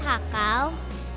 aku suka banget hakau